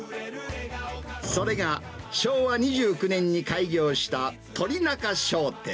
それが、昭和２９年に開業した鶏仲商店。